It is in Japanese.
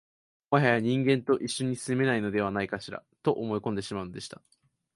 もはや人間と一緒に住めないのではないかしら、と思い込んでしまうのでした